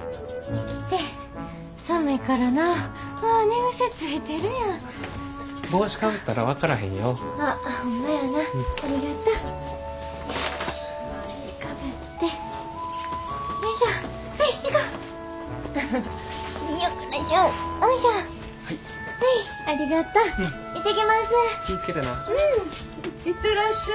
行ってらっしゃい。